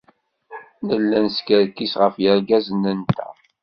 Nella neskerkis ɣef yergazen-nteɣ.